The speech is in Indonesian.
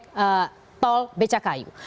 proyek tol beca kayu